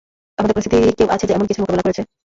আমাদের পরিচিত কেউ আছে যে এমন কিছুর মোকাবিলা করেছে?